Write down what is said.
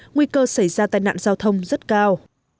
nguy cơ xảy ra tai nạn giao thông rất cao